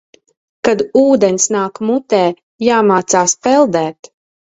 Kad ūdens nāk mutē, jāmācās peldēt.